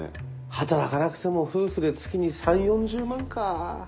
働かなくても夫婦で月に３０４０万か。